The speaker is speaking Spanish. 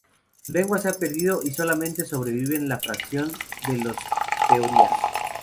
Su lengua se ha perdido, y solamente sobreviven la fracción de los peoria.